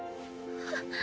あっ。